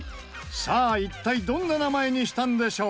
さあ一体どんな名前にしたんでしょう？